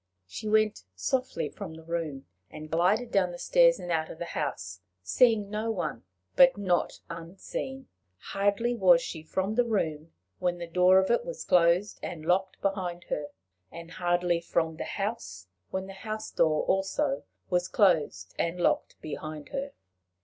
She went softly from the room, and glided down the stairs, and out of the house, seeing no one but not unseen: hardly was she from the room, when the door of it was closed and locked behind her, and hardly from the house, when the house door also was closed and locked behind her.